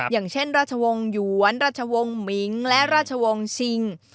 อย่างเช่นราชวงศ์หยวนราชวงศ์มิงและราชวงศ์ชิง